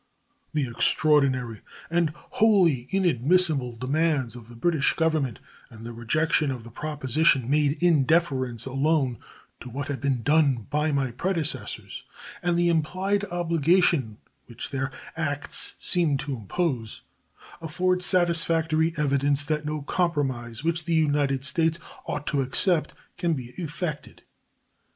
The extraordinary and wholly inadmissible demands of the British Government and the rejection of the proposition made in deference alone to what had been done by my predecessors and the implied obligation which their acts seemed to impose afford satisfactory evidence that no compromise which the United States ought to accept can be effected.